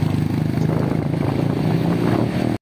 Maskini anafaa kusaidiwa